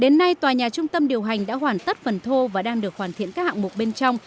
đến nay tòa nhà trung tâm điều hành đã hoàn tất phần thô và đang được hoàn thiện các hạng mục bên trong